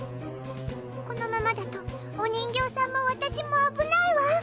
このままだとお人形さんも私も危ないわ。